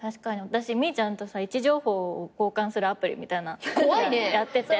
私みぃちゃんとさ位置情報を交換するアプリみたいなやってて。